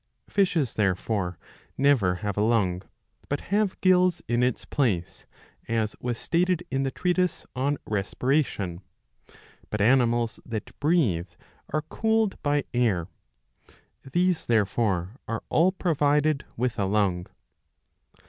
Fishes there fore never have a lung, but have gills in its place, as was stated in the treatise on Respiration. But animals that breathe are cooled by air. These therefore are all provided with a lung.